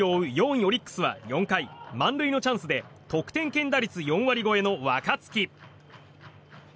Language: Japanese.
４位オリックスは４回満塁のチャンスで得点圏打率４割超えの若月。